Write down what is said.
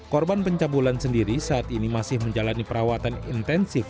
korban pencabulan sendiri saat ini masih menjalani perawatan intensif